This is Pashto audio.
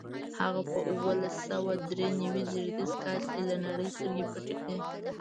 هغه په اوولس سوه درې نوي زېږدیز کال له نړۍ سترګې پټې کړې.